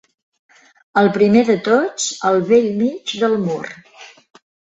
El primer de tots, al bell mig del mur.